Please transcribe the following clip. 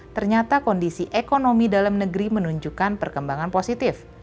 ternyata kondisi ekonomi dalam negeri menunjukkan perkembangan positif